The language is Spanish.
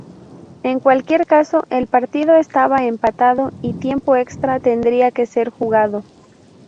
En cualquier caso, el partido estaba empatado y tiempo extra tendría que ser jugado.